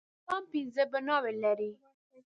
اسلام پنځه بناوې لري